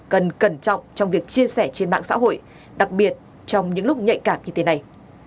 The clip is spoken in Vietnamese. cần cẩn trọng trong việc chia sẻ trên mạng xã hội đặc biệt trong những lúc nhạy cảm như thế này